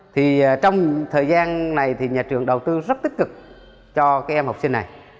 thì trong thời gian này thì nhà trường đầu tư rất tích cực cho cái em học sinh này